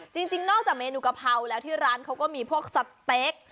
จริงนอกจากเมนูกะเพราแล้วที่ร้านเขาก็มีพวกสเต็ก